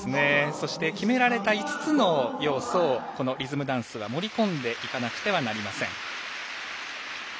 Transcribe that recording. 決められた５つの要素をリズムダンスは盛り込んでいかなければなりません。